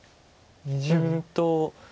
うんと。